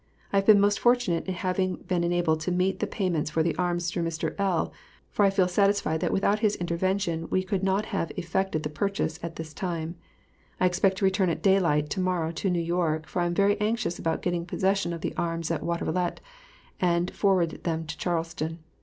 I have been most fortunate in having been enabled to meet the payments for the arms through Mr. L., for I feel satisfied that without his intervention we could not have effected the purchase at this time.... I expect to return at daylight to morrow to New York, for I am very anxious about getting possession of the arms at Watervliet, and forward them to Charleston.